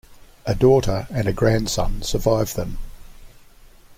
A daughter and a grandson survive them.